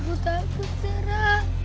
udah aku zara